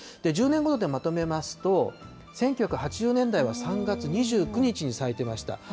１０年ごとでまとめますと、１９８０年代は３月２９日に咲いてました。